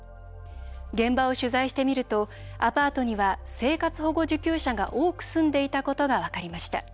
現場を取材してみるとアパートには、生活保護受給者が多く住んでいたことが分かりました。